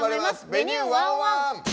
「Ｖｅｎｕｅ１０１」。